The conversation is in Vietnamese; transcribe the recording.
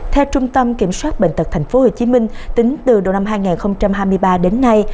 theo trung tâm kiểm soát bệnh tật tp hcm tính từ đầu năm hai nghìn hai mươi ba đến nay